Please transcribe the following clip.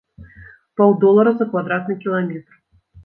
Паўдолара за квадратны кіламетр!